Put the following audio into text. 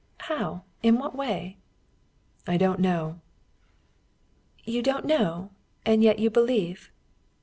"How? In what way?" "I don't know." "You don't know, and yet you believe?"